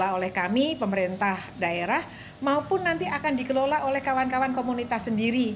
oleh kami pemerintah daerah maupun nanti akan dikelola oleh kawan kawan komunitas sendiri